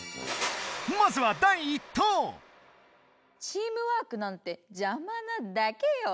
まずはチームワークなんてジャマなだけよ。